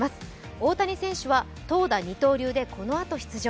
大谷選手は投打二刀流でこのあと出場。